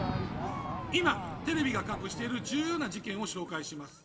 今、テレビが隠している重要な事件を紹介します。